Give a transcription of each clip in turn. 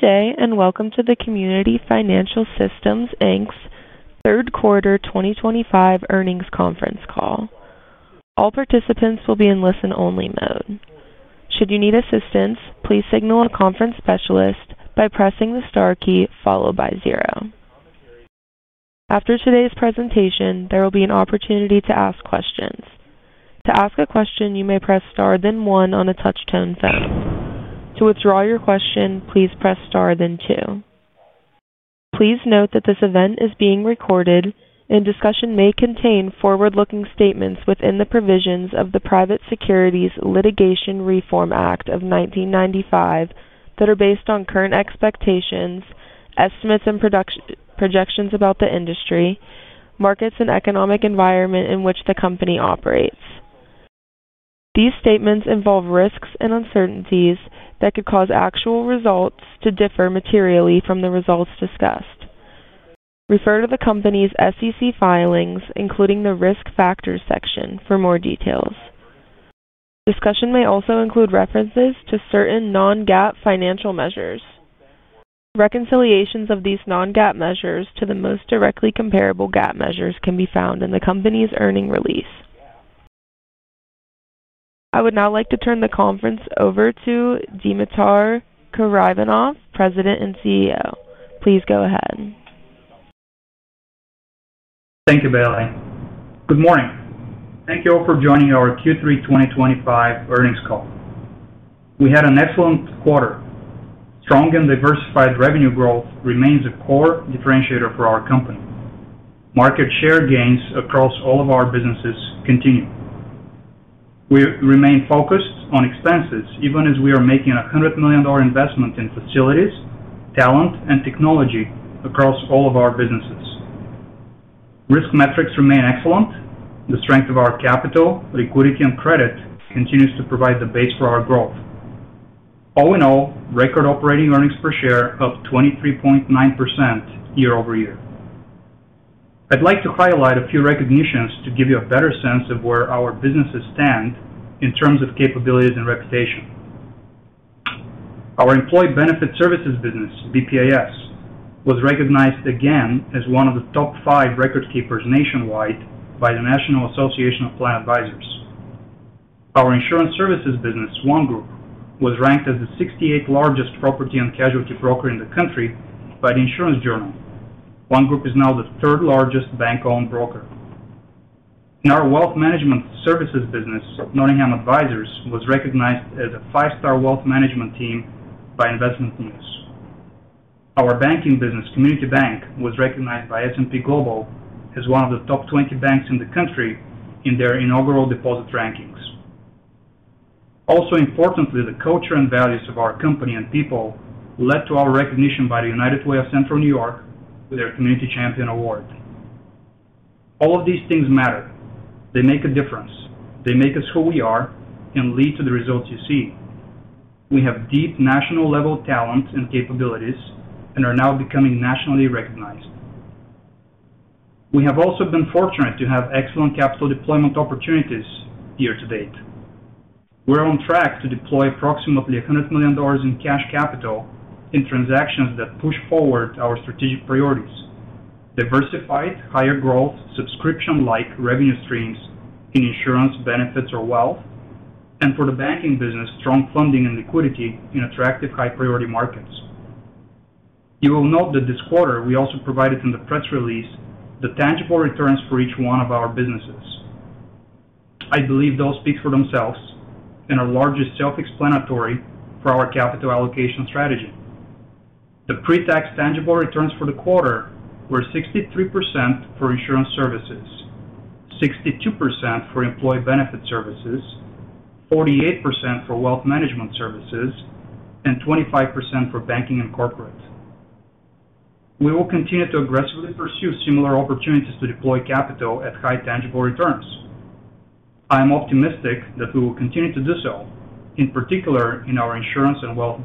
Today, and welcome to the Community Financial System, Inc's third quarter 2025 earnings conference call. All participants will be in listen-only mode. Should you need assistance, please signal a conference specialist by pressing the star key followed by zero. After today's presentation, there will be an opportunity to ask questions. To ask a question, you may press star, then one on a touch-tone phone. To withdraw your question, please press star, then two. Please note that this event is being recorded, and discussion may contain forward-looking statements within the provisions of the Private Securities Litigation Reform Act of 1995 that are based on current expectations, estimates, and projections about the industry, markets, and economic environment in which the company operates. These statements involve risks and uncertainties that could cause actual results to differ materially from the results discussed. Refer to the company's SEC filings, including the Risk Factors section, for more details. Discussion may also include references to certain non-GAAP financial measures. Reconciliations of these non-GAAP measures to the most directly comparable GAAP measures can be found in the company's earnings release. I would now like to turn the conference over to Dimitar Karaivanov, President and CEO. Please go ahead. Thank you, Bailey. Good morning. Thank you all for joining our Q3 2025 earnings call. We had an excellent quarter. Strong and diversified revenue growth remains a core differentiator for our company. Market share gains across all of our businesses continue. We remain focused on expenses, even as we are making a $100 million investment in facilities, talent, and technology across all of our businesses. Risk metrics remain excellent. The strength of our capital, liquidity, and credit continues to provide the base for our growth. All in all, record operating earnings per share of 23.9% year-over-year. I'd like to highlight a few recognitions to give you a better sense of where our businesses stand in terms of capabilities and reputation. Our employee benefit services business, BPAS, was recognized again as one of the top five record keepers nationwide by the National Association of Plan Advisors. Our insurance services business, OneGroup, was ranked as the 68th largest property and casualty broker in the country by the Insurance Journal. OneGroup is now the third-largest bank-owned broker. In our wealth management services business, Nottingham Advisors was recognized as a five-star wealth management team by InvestmentNews. Our banking business, Community Bank, was recognized by S&P Global as one of the top 20 banks in the country in their inaugural deposit rankings. Also importantly, the culture and values of our company and people led to our recognition by the United Way of Central New York with their Community Champion Award. All of these things matter. They make a difference. They make us who we are and lead to the results you see. We have deep national-level talent and capabilities and are now becoming nationally recognized. We have also been fortunate to have excellent capital deployment opportunities year to date. We're on track to deploy approximately $100 million in cash capital in transactions that push forward our strategic priorities: diversified, higher growth, subscription-like revenue streams in insurance, benefits, or wealth, and for the banking business, strong funding and liquidity in attractive high-priority markets. You will note that this quarter we also provided in the press release the tangible returns for each one of our businesses. I believe those speak for themselves and are largely self-explanatory for our capital allocation strategy. The pre-tax tangible returns for the quarter were 63% for insurance services, 62% for employee benefit services, 48% for wealth management services, and 25% for banking and corporate. We will continue to aggressively pursue similar opportunities to deploy capital at high tangible returns. I am optimistic that we will continue to do so, in particular in our insurance and wealth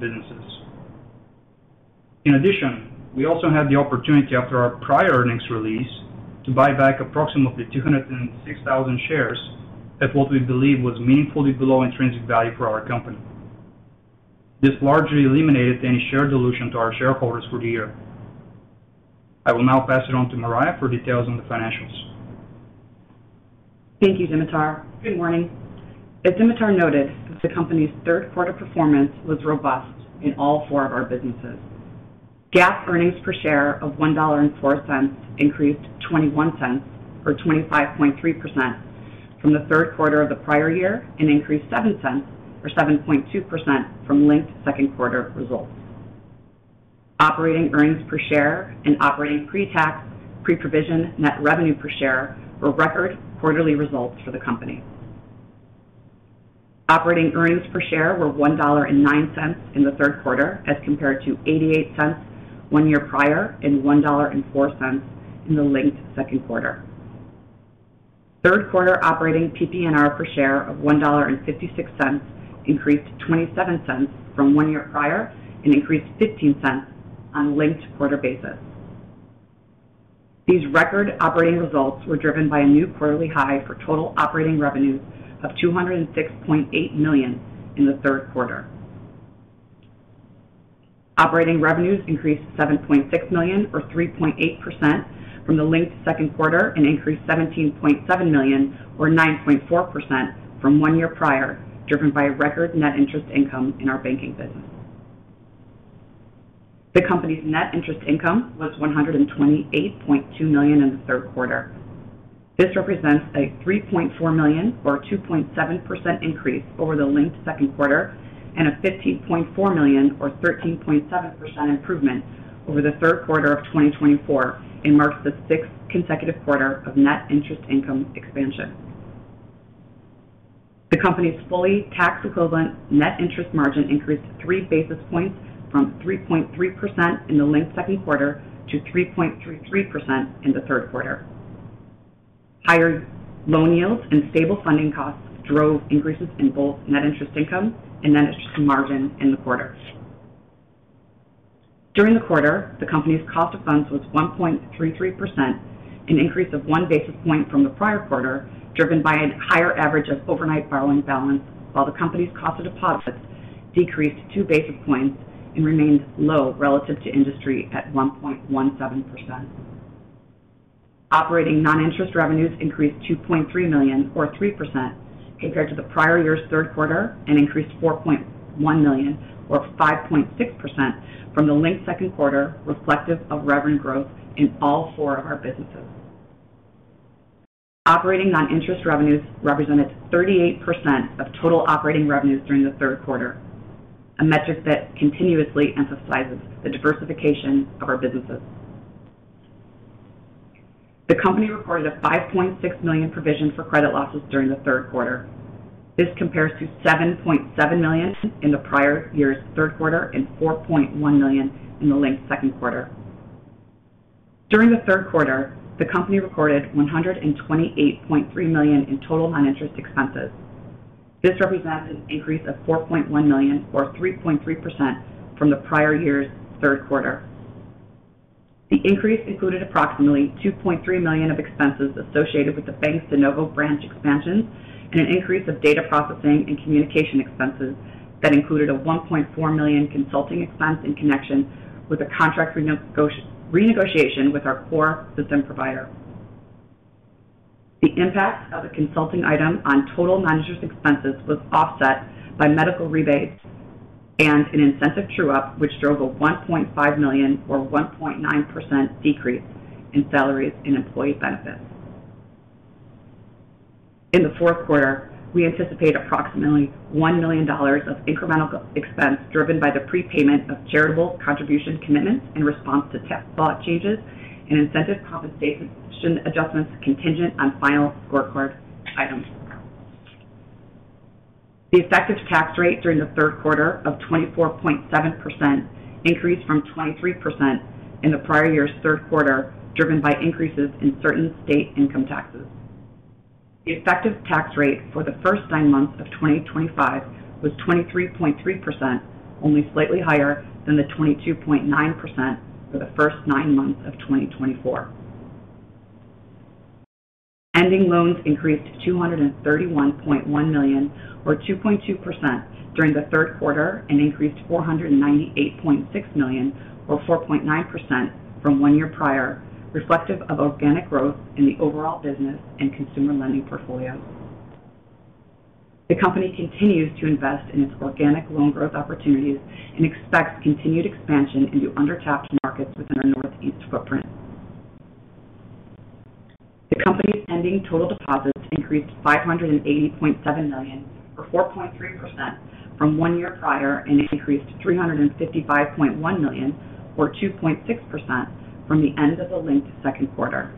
businesses. In addition, we also had the opportunity after our prior earnings release to buy back approximately 206,000 shares at what we believe was meaningfully below intrinsic value for our company. This largely eliminated any share dilution to our shareholders for the year. I will now pass it on to Marya for details on the financials. Thank you, Dimitar. Good morning. As Dimitar noted, the company's third quarter performance was robust in all four of our businesses. GAAP earnings per share of $1.04 increased $0.21 or 25.3% from the third quarter of the prior year and increased $0.07 or 7.2% from linked second quarter results. Operating earnings per share and operating pre-tax, pre-provision net revenue per share were record quarterly results for the company. Operating earnings per share were $1.09 in the third quarter as compared to $0.88 one year prior and $1.04 in the linked second quarter. Third quarter operating PPNR per share of $1.56 increased $0.27 from one year prior and increased $0.15 on a linked quarter basis. These record operating results were driven by a new quarterly high for total operating revenues of $206.8 million in the third quarter. Operating revenues increased $7.6 million or 3.8% from the linked second quarter and increased $17.7 million or 9.4% from one year prior, driven by a record net interest income in our banking business. The company's net interest income was $128.2 million in the third quarter. This represents a $3.4 million or 2.7% increase over the linked second quarter and a $15.4 million or 13.7% improvement over the third quarter of 2024 and marks the sixth consecutive quarter of net interest income expansion. The company's fully tax-equivalent net interest margin increased 3 basis points from 3.3% in the linked second quarter to 3.33% in the third quarter. Higher loan yields and stable funding costs drove increases in both net interest income and net interest margin in the quarter. During the quarter, the company's cost of funds was 1.33%, an increase of 1 basis point from the prior quarter, driven by a higher average of overnight borrowing balance, while the company's cost of deposits decreased 2 basis points and remained low relative to industry at 1.17%. Operating non-interest revenues increased $2.3 million or 3% compared to the prior year's third quarter and increased $4.1 million or 5.6% from the linked second quarter, reflective of revenue growth in all four of our businesses. Operating non-interest revenues represented 38% of total operating revenues during the third quarter, a metric that continuously emphasizes the diversification of our businesses. The company reported a $5.6 million provision for credit losses during the third quarter. This compares to $7.7 million in the prior year's third quarter and $4.1 million in the linked second quarter. During the third quarter, the company recorded $128.3 million in total non-interest expenses. This represents an increase of $4.1 million or 3.3% from the prior year's third quarter. The increase included approximately $2.3 million of expenses associated with the Bank's de novo branch expansions and an increase of data processing and communication expenses that included a $1.4 million consulting expense in connection with a contract renegotiation with our core system provider. The impact of the consulting item on total managers' expenses was offset by medical rebates and an incentive true-up, which drove a $1.5 million or 1.9% decrease in salaries and employee benefits. In the fourth quarter, we anticipate approximately $1 million of incremental expense driven by the prepayment of charitable contribution commitments in response to tech bought changes and incentive compensation adjustments contingent on final scorecard items. The effective tax rate during the third quarter of 24.7% increased from 23% in the prior year's third quarter, driven by increases in certain state income taxes. The effective tax rate for the first nine months of 2025 was 23.3%, only slightly higher than the 22.9% for the first nine months of 2024. Ending loans increased $231.1 million or 2.2% during the third quarter and increased $498.6 million or 4.9% from one year prior, reflective of organic growth in the overall business and consumer lending portfolio. The company continues to invest in its organic loan growth opportunities and expects continued expansion into undertapped markets within our Northeast footprint. The company's ending total deposits increased $580.7 million or 4.3% from one year prior and increased $355.1 million or 2.6% from the end of the linked second quarter.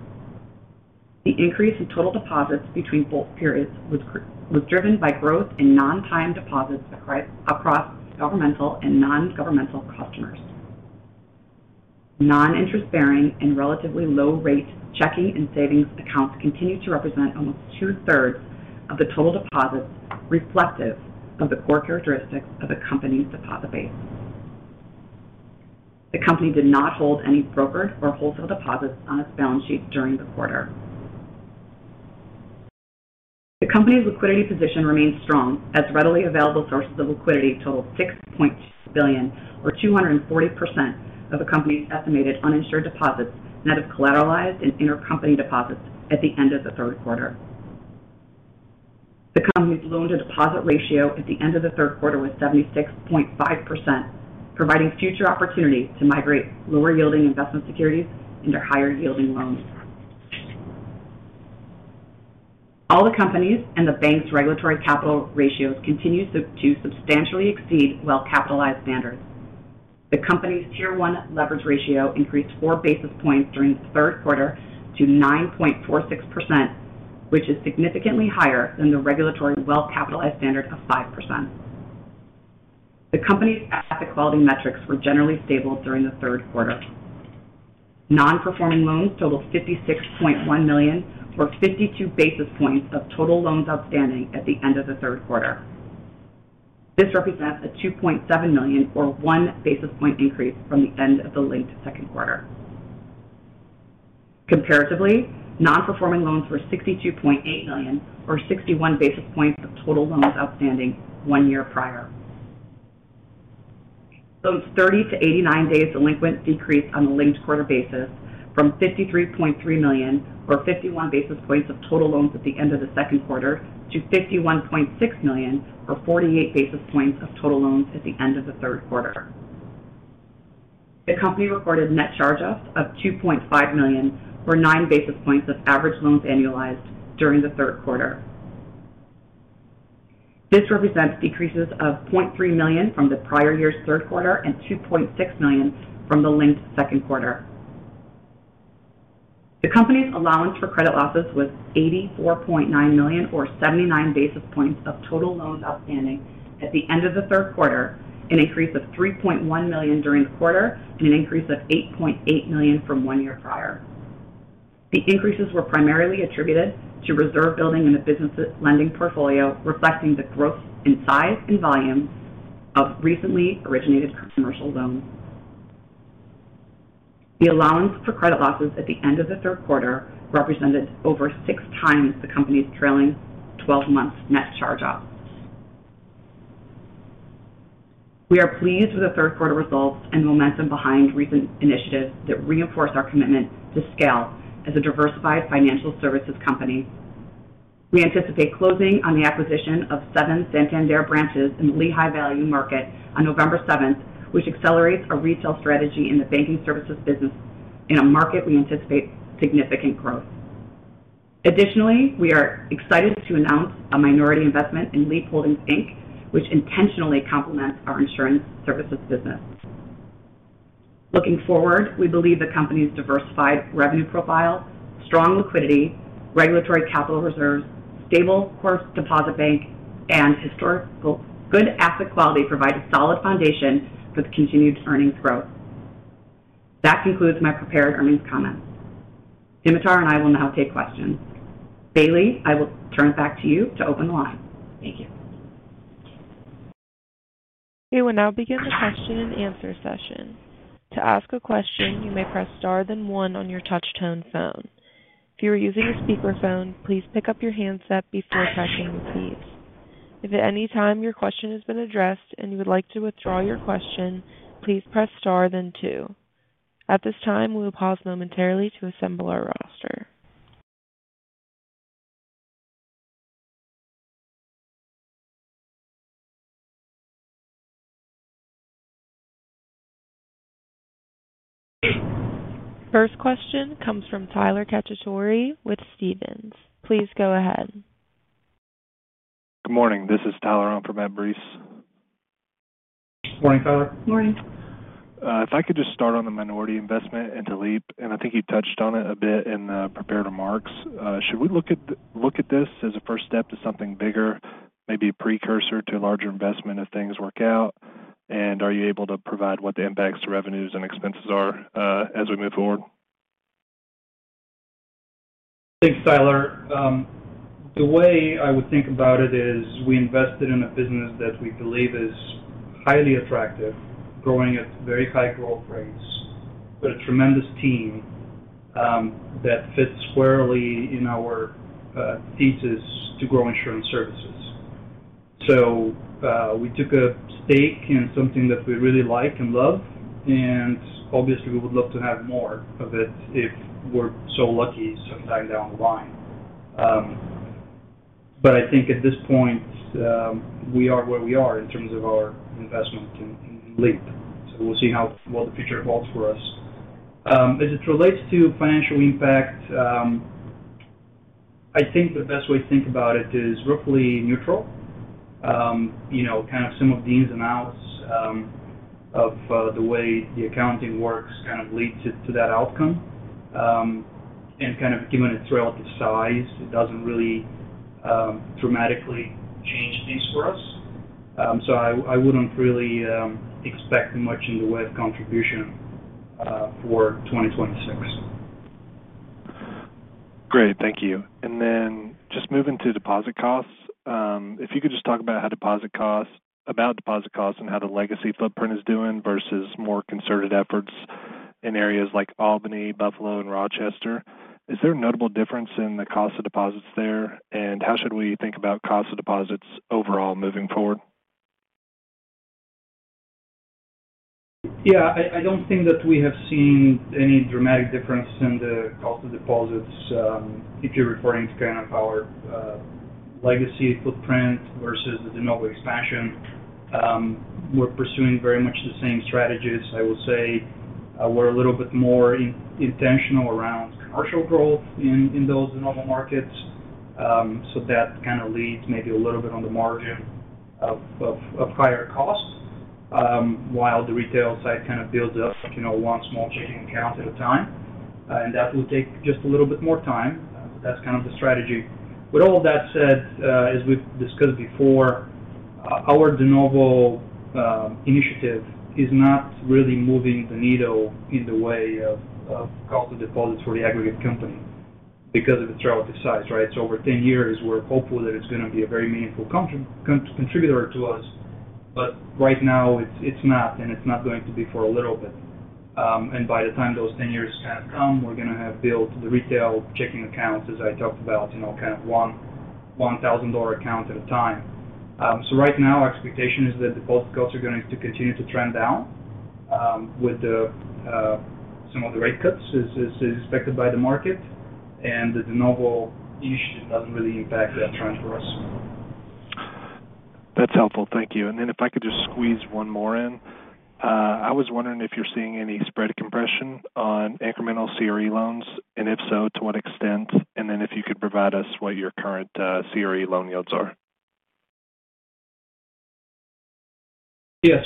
The increase in total deposits between both periods was driven by growth in non-time deposits across governmental and non-governmental customers. Non-interest-bearing and relatively low-rate checking and savings accounts continue to represent almost 2/3 of the total deposits, reflective of the core characteristics of a company's deposit base. The company did not hold any brokered or wholesale deposits on its balance sheet during the quarter. The company's liquidity position remains strong as readily available sources of liquidity total $6.6 billion or 240% of the company's estimated uninsured deposits that have collateralized in intercompany deposits at the end of the third quarter. The company's loan-to-deposit ratio at the end of the third quarter was 76.5%, providing future opportunity to migrate lower-yielding investment securities into higher-yielding loans. All the company's and the bank's regulatory capital ratios continue to substantially exceed well-capitalized standards. The company's Tier 1 leverage ratio increased 4 basis points during the third quarter to 9.46%, which is significantly higher than the regulatory well-capitalized standard of 5%. The company's asset quality metrics were generally stable during the third quarter. Non-performing loans total $56.1 million or 52 basis points of total loans outstanding at the end of the third quarter. This represents a $2.7 million or 1 basis point increase from the end of the linked second quarter. Comparatively, non-performing loans were $62.8 million or 61 basis points of total loans outstanding one year prior. Loans 30-89 days delinquent decreased on a linked quarter basis from $53.3 million or 51 basis points of total loans at the end of the second quarter to $51.6 million or 48 basis points of total loans at the end of the third quarter. The company recorded net charge-offs of $2.5 million or 9 basis points of average loans annualized during the third quarter. This represents decreases of $0.3 million from the prior year's third quarter and $2.6 million from the linked second quarter. The company's allowance for credit losses was $84.9 million or 79 basis points of total loans outstanding at the end of the third quarter, an increase of $3.1 million during the quarter and an increase of $8.8 million from one year prior. The increases were primarily attributed to reserve building in the business's lending portfolio, reflecting the growth in size and volume of recently originated commercial loans. The allowance for credit losses at the end of the third quarter represented over 6x the company's trailing 12-month net charge-off. We are pleased with the third quarter results and momentum behind recent initiatives that reinforce our commitment to scale as a diversified financial services company. We anticipate closing on the acquisition of seven Santander branches in the Lehigh Valley market on November 7th, which accelerates our retail strategy in the banking services business in a market we anticipate significant growth. Additionally, we are excited to announce a minority investment in Leap Holdings, Inc, which intentionally complements our insurance services business. Looking forward, we believe the company's diversified revenue profile, strong liquidity, regulatory capital reserves, stable core deposit bank, and historically good asset quality provide a solid foundation for the continued earnings growth. That concludes my prepared earnings comments. Dimitar and I will now take questions. Bailey, I will turn it back to you to open the line. Thank you. Okay. We'll now begin the question and answer session. To ask a question, you may press star then one on your touch-tone phone. If you are using a speaker phone, please pick up your handset before pressing your keys. If at any time your question has been addressed and you would like to withdraw your question, please press star then two. At this time, we will pause momentarily to assemble our roster. First question comes from Tyler Cacciatori with Stephens. Please go ahead. Good morning. This is Tyler on for Matthew Breese. Morning, Tyler. Morning. If I could just start on the minority investment into Leap, I think you touched on it a bit in the prepared remarks. Should we look at this as a first step to something bigger, maybe a precursor to a larger investment if things work out? Are you able to provide what the impacts to revenues and expenses are as we move forward? Thanks, Tyler. The way I would think about it is we invested in a business that we believe is highly attractive, growing at very high growth rates, with a tremendous team, that fits squarely in our thesis to grow insurance services. We took a stake in something that we really like and love, and obviously, we would love to have more of it if we're so lucky sometime down the line. I think at this point, we are where we are in terms of our investment in Leap. We'll see what the future holds for us. As it relates to financial impact, I think the best way to think about it is roughly neutral. You know, some of the ins and outs of the way the accounting works kind of leads it to that outcome, and given its relative size, it doesn't really dramatically change things for us. I wouldn't really expect much in the way of contribution for 2026. Great. Thank you. Just moving to deposit costs, if you could just talk about how deposit costs and how the legacy footprint is doing versus more concerted efforts in areas like Albany, Buffalo, and Rochester. Is there a notable difference in the cost of deposits there, and how should we think about cost of deposits overall moving forward? I don't think that we have seen any dramatic difference in the cost of deposits, if you're referring to kind of our legacy footprint versus the de novo expansion. We're pursuing very much the same strategies. I will say we're a little bit more intentional around commercial growth in those de novo markets. That kind of leads maybe a little bit on the margin of higher cost, while the retail side builds up, you know, one small checking account at a time. That will take just a little bit more time. That's kind of the strategy. With all of that said, as we've discussed before, our de novo initiative is not really moving the needle in the way of cost of deposits for the aggregate company because of its relative size, right? Over 10 years, we're hopeful that it's going to be a very meaningful contributor to us, but right now, it's not, and it's not going to be for a little bit. By the time those 10 years have come, we're going to have built the retail checking accounts, as I talked about, you know, kind of one, $1,000 account at a time. Right now, our expectation is that deposit costs are going to continue to trend down, with some of the rate cuts as expected by the market, and the de novo initiative doesn't really impact that trend for us. That's helpful. Thank you. If I could just squeeze one more in, I was wondering if you're seeing any spread compression on incremental CRE loans, and if so, to what extent? If you could provide us what your current CRE loan yields are. Yeah.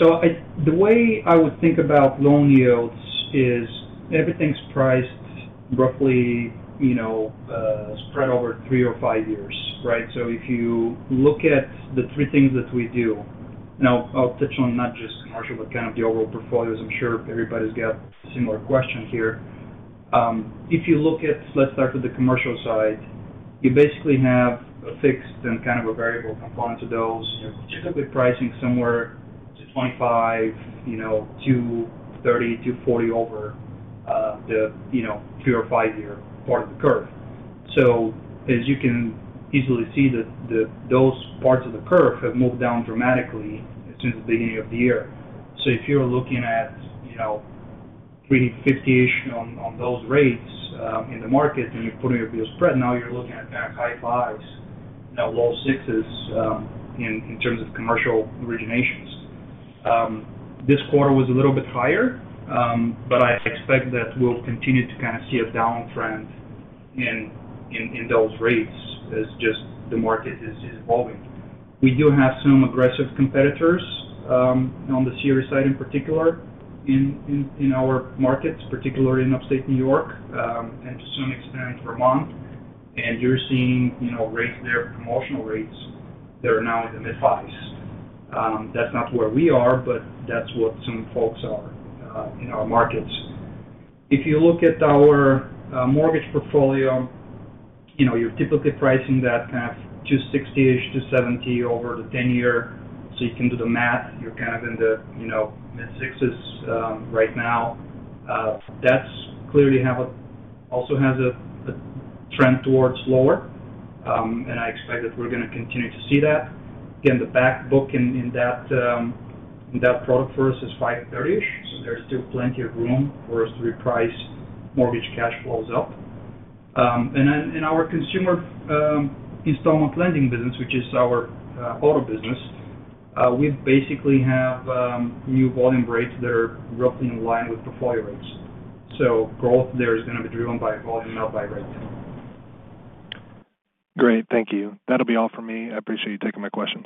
The way I would think about loan yields is everything's priced roughly, you know, spread over three or five years, right? If you look at the three things that we do, and I'll touch on not just commercial but kind of the overall portfolios. I'm sure everybody's got a similar question here. If you look at, let's start with the commercial side. You basically have a fixed and kind of a variable component to those. You're typically pricing somewhere 225, you know, 230, 240 over the, you know, three or five-year part of the curve. As you can easily see, those parts of the curve have moved down dramatically since the beginning of the year. If you're looking at, you know, 350-ish on those rates in the market and you're putting your biggest spread, now you're looking at kind of high fives, now low sixes, in terms of commercial originations. This quarter was a little bit higher, but I expect that we'll continue to kind of see a downtrend in those rates as just the market is evolving. We do have some aggressive competitors on the CRE side in particular in our markets, particularly in upstate New York, and to some extent Vermont. You're seeing, you know, rates there, promotional rates that are now in the mid fives. That's not where we are, but that's what some folks are in our markets. If you look at our mortgage portfolio, you know, you're typically pricing that kind of 260-ish, 270 over the 10-year. You can do the math. You're kind of in the, you know, mid sixes right now. That clearly also has a trend towards lower, and I expect that we're going to continue to see that. Again, the back book in that product for us is 530-ish, so there's still plenty of room for us to reprice mortgage cash flows up. In our consumer installment lending business, which is our auto business, we basically have new volume rates that are roughly in line with portfolio rates. Growth there is going to be driven by volume, not by rate. Great. Thank you. That'll be all from me. I appreciate you taking my questions.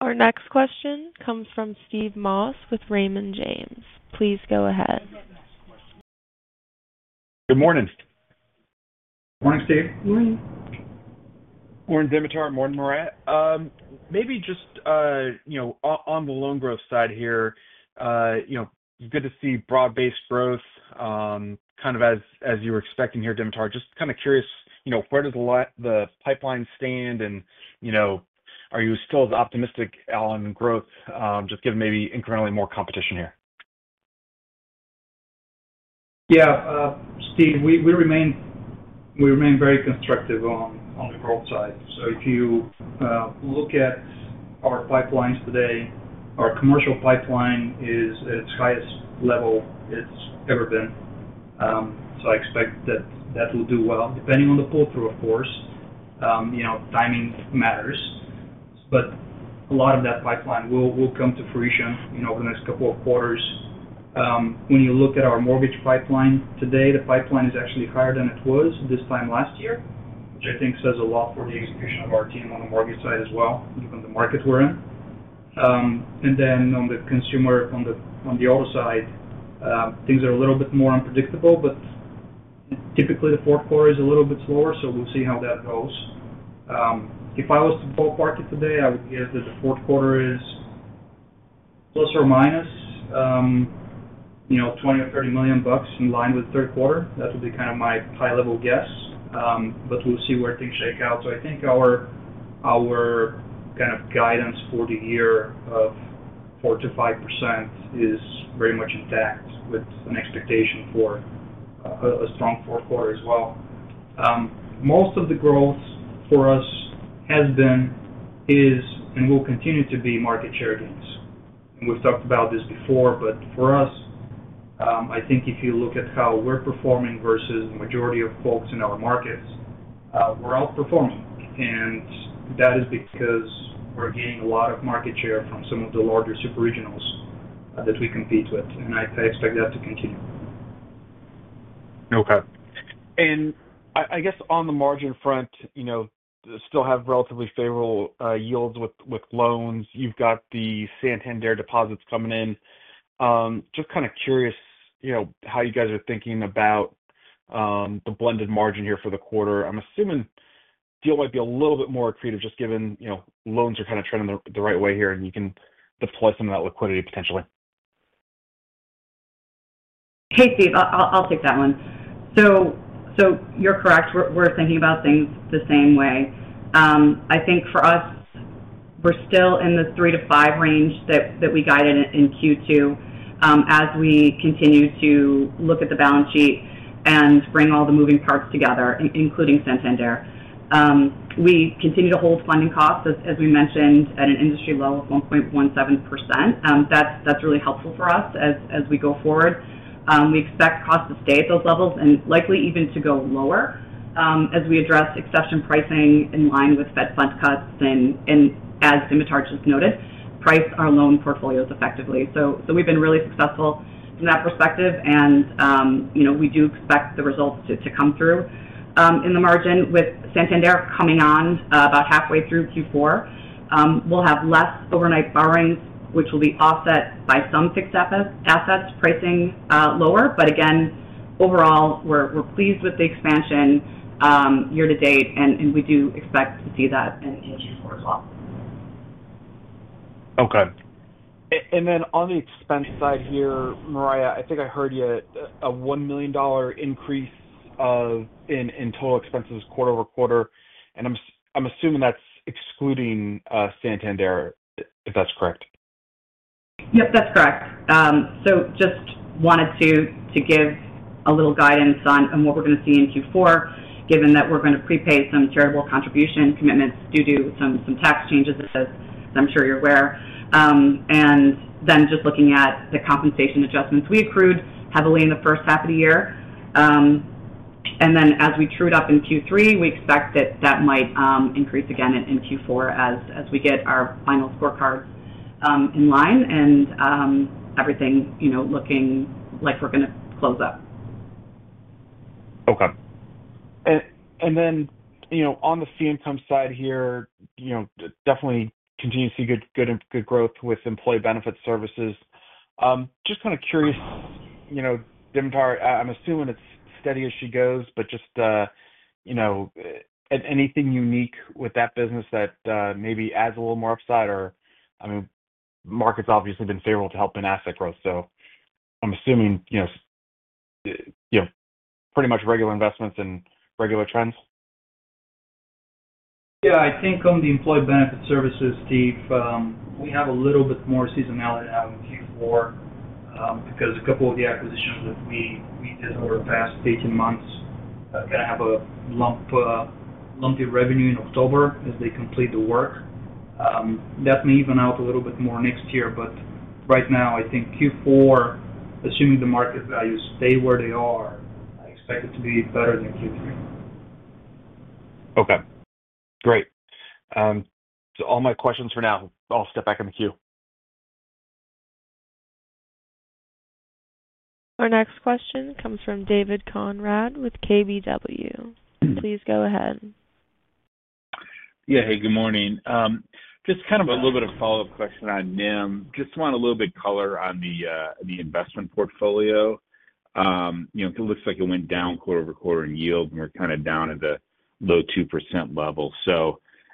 Our next question comes from Steve Moss with Raymond James. Please go ahead. Good morning. Morning, Steve. Morning. Morning, Dimitar. Morning, Marya. Maybe just, you know, on the loan growth side here, good to see broad-based growth, kind of as you were expecting here, Dimitar. Just kind of curious, where does the pipeline stand, and are you still as optimistic on growth, just given maybe incrementally more competition here? Yeah. Steve, we remain very constructive on the growth side. If you look at our pipelines today, our commercial pipeline is at its highest level it's ever been. I expect that will do well, depending on the pull-through, of course. Timing matters, but a lot of that pipeline will come to fruition over the next couple of quarters. When you look at our mortgage pipeline today, the pipeline is actually higher than it was this time last year, which I think says a lot for the execution of our team on the mortgage side as well, given the market we're in. On the consumer, on the auto side, things are a little bit more unpredictable, but typically, the fourth quarter is a little bit slower. We'll see how that goes. If I was to ballpark it today, I would guess that the fourth quarter is ±$20 million or $30 million, in line with the third quarter. That would be kind of my high-level guess, but we'll see where things shake out. I think our guidance for the year of 4%-5% is very much intact with an expectation for a strong fourth quarter as well. Most of the growth for us has been, is, and will continue to be market share gains. We've talked about this before, but for us, I think if you look at how we're performing versus the majority of folks in our markets, we're outperforming. That is because we're gaining a lot of market share from some of the larger super regionals that we compete with. I expect that to continue. Okay. I guess on the margin front, you know, still have relatively favorable yields with loans. You've got the Santander deposits coming in. Just kind of curious, you know, how you guys are thinking about the blended margin here for the quarter. I'm assuming the deal might be a little bit more accretive just given, you know, loans are kind of trending the right way here, and you can deploy some of that liquidity potentially. Hey, Steve. I'll take that one. You're correct. We're thinking about things the same way. I think for us, we're still in the 3%-5% range that we guided in Q2. As we continue to look at the balance sheet and bring all the moving parts together, including Santander, we continue to hold funding costs, as we mentioned, at an industry level of 1.17%. That's really helpful for us as we go forward. We expect costs to stay at those levels and likely even to go lower, as we address exception pricing in line with Fed funds cuts and, as Dimitar just noted, price our loan portfolios effectively. We've been really successful from that perspective, and we do expect the results to come through in the margin with Santander coming on about halfway through Q4. We'll have less overnight borrowings, which will be offset by some fixed assets pricing lower. Again, overall, we're pleased with the expansion year to date, and we do expect to see that in Q4 as well. Okay. On the expense side here, Marya, I think I heard you, a $1 million increase in total expenses quarter-over-quarter. I'm assuming that's excluding Santander, if that's correct. Yep. That's correct. I just wanted to give a little guidance on what we're going to see in Q4, given that we're going to prepay some charitable contribution commitments due to some tax changes, as I'm sure you're aware. Looking at the compensation adjustments, we accrued heavily in the first half of the year, and as we trued up in Q3, we expect that might increase again in Q4 as we get our final scorecards in line and everything, you know, looking like we're going to close up. Okay. On the C income side here, definitely continue to see good, good, good growth with employee benefit services. Just kind of curious, Dimitar, I'm assuming it's steady as she goes, but just, anything unique with that business that maybe adds a little more upside or, I mean, market's obviously been favorable to help in asset growth. I'm assuming, you know, pretty much regular investments and regular trends. Yeah. I think on the employee benefit services, Steve, we have a little bit more seasonality now in Q4 because a couple of the acquisitions that we did over the past 18 months kind of have lumpy revenue in October as they complete the work. That may even out a little bit more next year, but right now, I think Q4, assuming the market values stay where they are, I expect it to be better than Q3. Okay. Great. All my questions for now. I'll step back in the queue. Our next question comes from David Konrad with KBW. Please go ahead. Yeah. Hey, good morning. Just kind of a little bit of follow-up question on NIM. Just want a little bit of color on the investment portfolio. You know, it looks like it went down quarter-over-quarter in yield, and we're kind of down at the low 2% level.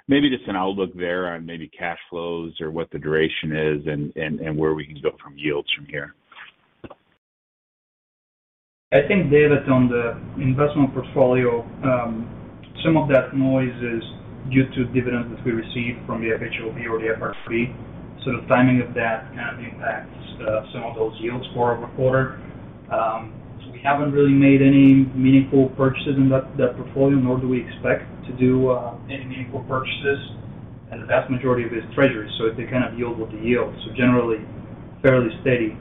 Maybe just an outlook there on maybe cash flows or what the duration is and where we can go from yields from here. I think, David, on the investment portfolio, some of that noise is due to dividends that we receive from the FHLB or the [FRB]. The timing of that kind of impacts some of those yields quarter-over-quarter. We haven't really made any meaningful purchases in that portfolio, nor do we expect to do any meaningful purchases. The vast majority of it is treasuries. It's a kind of yield with the yield, so generally, fairly steady.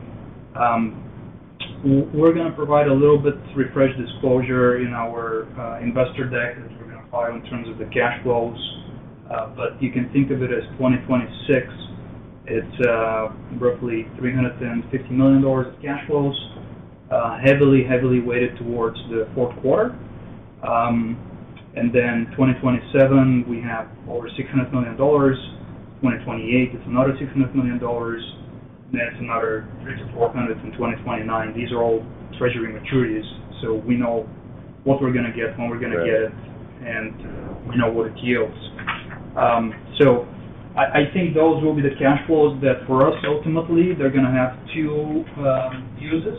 We are going to provide a little bit refreshed disclosure in our investor deck that we are going to file in terms of the cash flows. You can think of it as 2026. It's roughly $350 million of cash flows, heavily weighted towards the fourth quarter. In 2027, we have over $600 million. In 2028, it's another $600 million. In 2029, it's another $300 million-$400 million. These are all treasury maturities, so we know what we're going to get, when we're going to get it, and we know what it yields. I think those will be the cash flows that for us, ultimately, they're going to have two uses.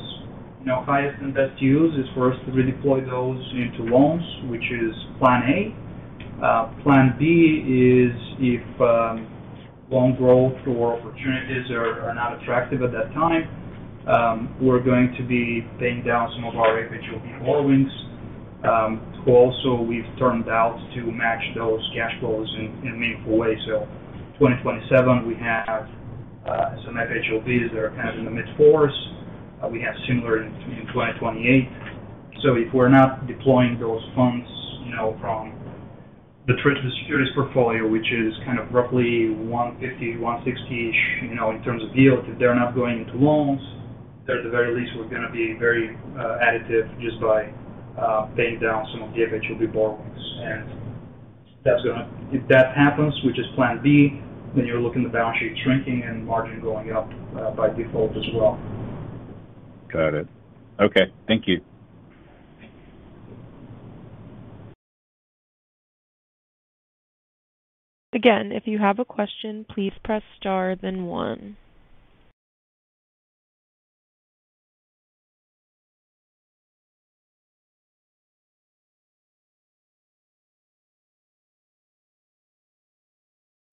Highest and best use is for us to redeploy those into loans, which is plan A. Plan B is if loan growth or opportunities are not attractive at that time, we are going to be paying down some of our FHLB borrowings, who also we've turned out to match those cash flows in meaningful ways. In 2027, we have some FHLBs that are kind of in the mid fours. We have similar in 2028. If we are not deploying those funds from the securities portfolio, which is kind of roughly 150, 160-ish in terms of yield, if they're not going into loans, at the very least, we are going to be very additive just by paying down some of the FHLB borrowings. If that happens, which is plan B, then you're looking at the balance sheet shrinking and margin going up by default as well. Got it. Okay, thank you. Again, if you have a question, please press star then one.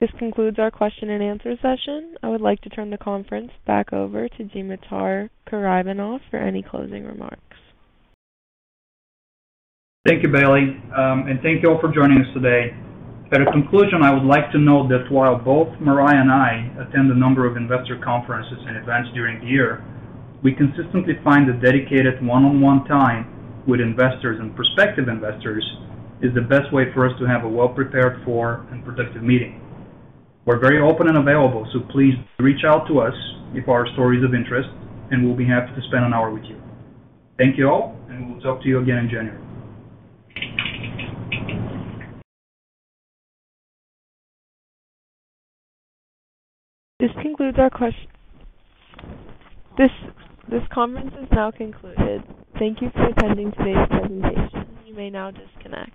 This concludes our question and answer session. I would like to turn the conference back over to Dimitar Karaivanov for any closing remarks. Thank you, Bailey, and thank you all for joining us today. At the conclusion, I would like to note that while both Marya and I attend a number of investor conferences and events during the year, we consistently find that dedicated one-on-one time with investors and prospective investors is the best way for us to have a well-prepared for and productive meeting. We're very open and available, so please reach out to us if our story is of interest, and we'll be happy to spend an hour with you. Thank you all, and we'll talk to you again in January. This concludes our questions. This conference is now concluded. Thank you for attending today's presentation. You may now disconnect.